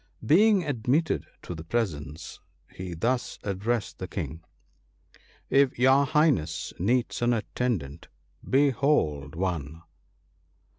Being admitted to the presence, he thus addressed the King :—* If your Highness needs an attendant, behold one